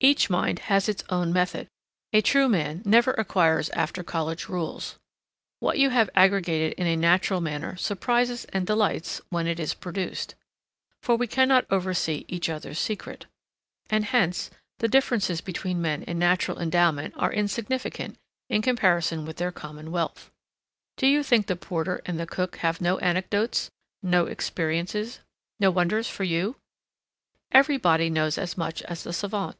Each mind has its own method. A true man never acquires after college rules. What you have aggregated in a natural manner surprises and delights when it is produced. For we cannot oversee each other's secret. And hence the differences between men in natural endowment are insignificant in comparison with their common wealth. Do you think the porter and the cook have no anecdotes, no experiences, no wonders for you? Every body knows as much as the savant.